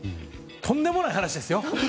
とんでもない話ですよ。